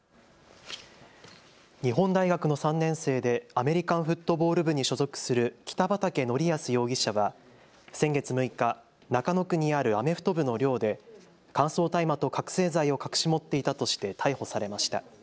日本大学の３年生でアメリカンフットボール部に所属する北畠成文容疑者は先月６日、中野区にあるアメフト部の寮で乾燥大麻と覚醒剤を隠し持っていたとして逮捕されました。